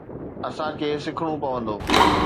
اسان کي سکڻو پوندو.